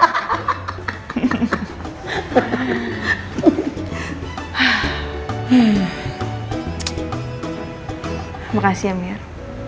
terima kasih amir